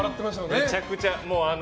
めちゃくちゃ。